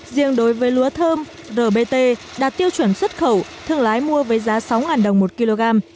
riêng đối với lúa thơm rbt đạt tiêu chuẩn xuất khẩu thương lái mua với giá sáu đồng một kg